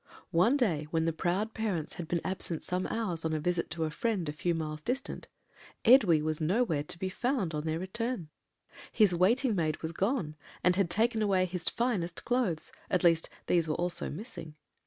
"One day, when the proud parents had been absent some hours on a visit to a friend a few miles distant, Edwy was nowhere to be found on their return his waiting maid was gone, and had taken away his finest clothes; at least, these were also missing.